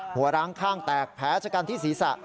หัวล้างข้างแตกแพ้จากการที่ศรีษะ